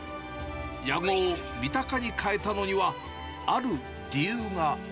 屋号をみたかに変えたのには、ある理由が。